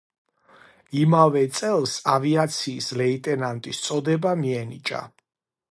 იმავე წელს, ავიაციის ლეიტენანტის წოდება მიენიჭა.